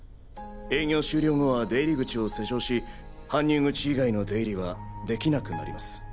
営業終了後は出入り口を施錠し搬入口以外の出入りはできなくなります。